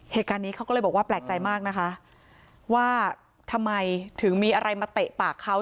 เหตุการณ์นี้เขาก็เลยบอกว่าแปลกใจมากนะคะว่าทำไมถึงมีอะไรมาเตะปากเขา